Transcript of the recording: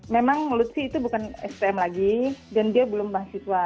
memang lutfi itu bukan stm lagi dan dia belum mahasiswa